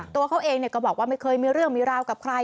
ตัวเขาเองก็บอกว่าไม่เคยมีเรื่องมีราวกับใคร